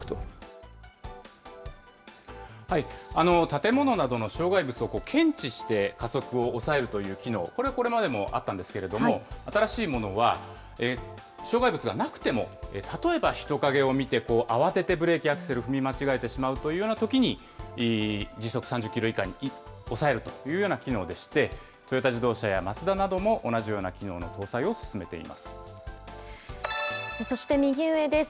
建物などの障害物を検知して加速を抑えるという機能、これはこれまでもあったんですけれども、新しいものは、障害物がなくても例えば人影を見て慌ててブレーキ、アクセル踏み間違えてしまう場合に、時速３０キロ以下に抑えるというような機能でして、トヨタ自動車やマツダなども、同じような機能の搭載を進めていまそして右上です。